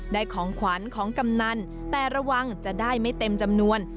ของขวัญของกำนันแต่ระวังจะได้ไม่เต็มจำนวน